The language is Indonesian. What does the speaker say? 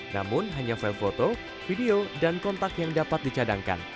namun hanya file foto video dan kontak yang dapat dicadangkan